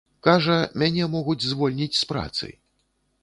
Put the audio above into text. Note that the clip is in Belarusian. Кажа, мяне могуць звольніць з працы.